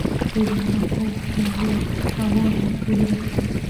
غرونه هوار وو تورې ډبرې وې.